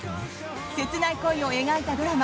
切ない恋を描いたドラマ